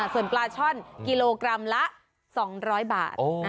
ส่วนปลาช่อนกิโลกรัมละ๒๐๐บาท